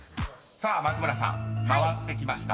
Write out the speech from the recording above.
［さあ松村さん回ってきました。